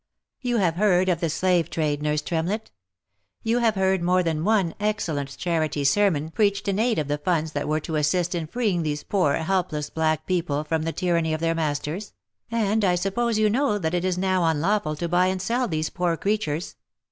You have heard of the . slave trade, nurse Tremlett — you have heard more than one excellent charity sermon preached in aid of the funds that were to assist in freeing these poor helpless black people from the tyranny of their masters, and I suppose you know that it is now unlawful to buy and sell these poor creatures.